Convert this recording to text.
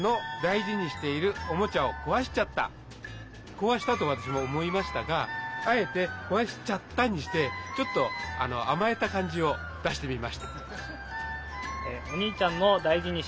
「こわした」とわたしもおもいましたがあえて「こわしちゃった」にしてちょっとあまえたかんじを出してみました。